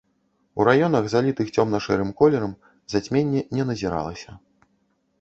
У раёнах, залітых цёмна-шэрым колерам, зацьменне не назіралася.